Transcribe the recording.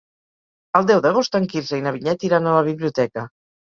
El deu d'agost en Quirze i na Vinyet iran a la biblioteca.